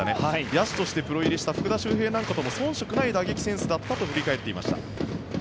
野手としてプロ入りした福田周平と比べても遜色ない打撃センスだったと振り返っていました。